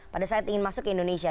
pada saat ingin masuk ke indonesia